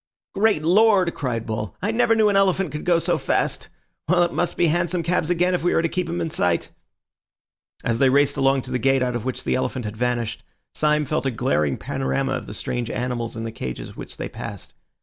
"Great Lord!" cried Bull, "I never knew an elephant could go so fast. Well, it must be hansom cabs again if we are to keep him in sight." As they raced along to the gate out of which the elephant had vanished, Syme felt a glaring panorama of the strange animals in the cages which they passed.